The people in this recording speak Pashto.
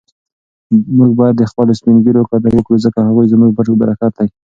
موږ باید د خپلو سپین ږیرو قدر وکړو ځکه هغوی زموږ برکت دی.